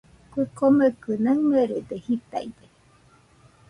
Kue komekɨ naɨmerede jitaide.